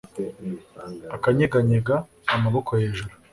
akanyeganyega, amaboko hejuru